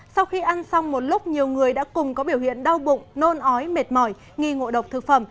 sau khi ăn xong một lúc nhiều người đã cùng có biểu hiện đau bụng nôn ói mệt mỏi nghi ngộ độc thực phẩm